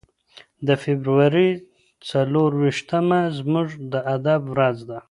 د فبرورۍ څلور ویشتمه زموږ د ادب ورځ ده.